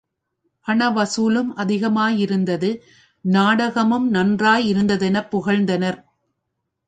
பண வசூலும் அதிகமாயிருந்தது நாடகமும் நன்றாய் இருந்ததெனப் புகழ்ந்தனர்.